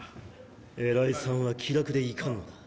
偉いさんは気楽でいかんのだ。